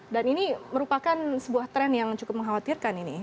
dan ini merupakan sebuah tren yang cukup mengkhawatirkan ini